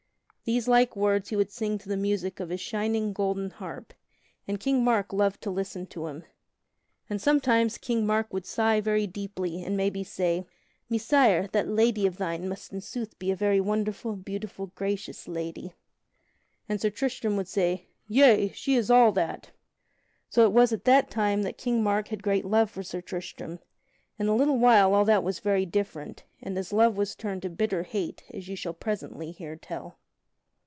These like words he would sing to the music of his shining, golden harp, and King Mark loved to listen to him. And sometimes King Mark would sigh very deeply and maybe say: "Messire, that lady of thine must in sooth be a very wonderful, beautiful, gracious lady." And Sir Tristram would say, "Yea, she is all that." So it was at that time that King Mark had great love for Sir Tristram; in a little while all that was very different, and his love was turned to bitter hate, as you shall presently hear tell.